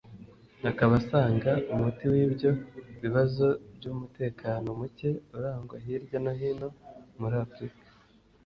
Akaba asanga umuti w’ibyo bibazo by’umutekano muke urangwa hirya no hino muri Afrika